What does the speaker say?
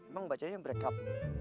emang baca aja yang break up